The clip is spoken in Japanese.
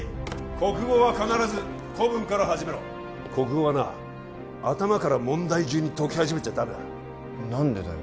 国語は必ず古文から始めろ国語はな頭から問題順に解き始めちゃダメだ何でだよ